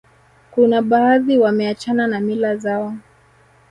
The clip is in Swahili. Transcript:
kuna baadhi wameachana na mila zao